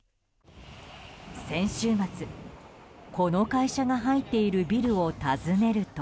先週末、この会社が入っているビルを訪ねると。